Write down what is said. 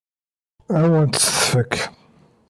Ad wen-tt-tefk?